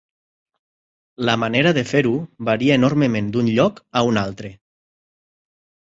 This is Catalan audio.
La manera de fer-ho varia enormement d'un lloc a un altre.